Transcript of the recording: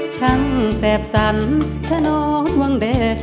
ชั้นแสบสั่นชะนอนวังเด่